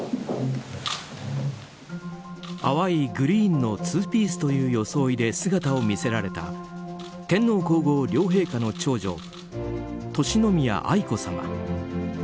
淡いグリーンのツーピースという装いで姿を見せられた天皇・皇后両陛下の長女敬宮愛子さま。